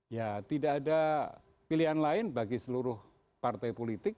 ya tidak ada pilihan lain bagi seluruh partai politik